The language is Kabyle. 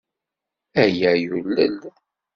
Aya yulel.